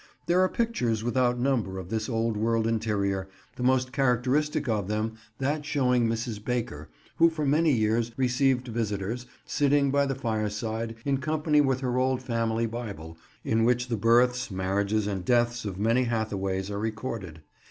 There are pictures without number of this old world interior, the most characteristic of them that showing Mrs. Baker, who for many years received visitors, sitting by the fireside, in company with her old family Bible, in which the births, marriages and deaths of many Hathaways are recorded.